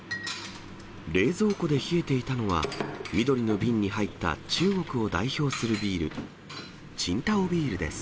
冷蔵庫で冷えていたのは、緑の瓶に入った中国を代表するビール、青島ビールです。